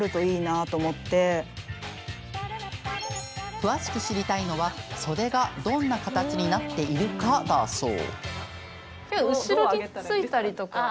詳しく知りたいのは、袖がどんな形になっているかだそう。